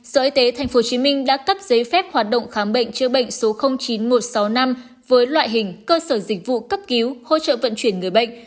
sở y tế tp hcm đã cấp giấy phép hoạt động khám bệnh chữa bệnh số chín một trăm sáu mươi năm với loại hình cơ sở dịch vụ cấp cứu hỗ trợ vận chuyển người bệnh